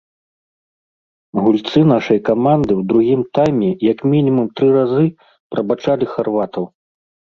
Гульцы нашай каманды ў другім тайме як мінімум тры разы прабачалі харватаў.